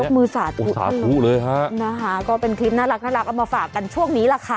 มือสาธุสาธุเลยฮะนะคะก็เป็นคลิปน่ารักเอามาฝากกันช่วงนี้แหละค่ะ